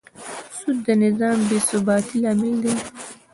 سود د نظام بېثباتي لامل دی.